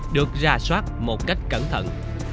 được ra soát một cách cẩn thận